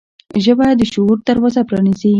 ژبه د شعور دروازه پرانیزي